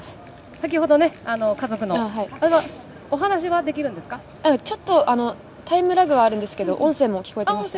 先ほどね、家族の、あれはおちょっと、タイムラグはあるんですけど、音声も聞こえてました。